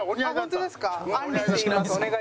あんりっていいます。